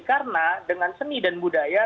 karena dengan seni dan budaya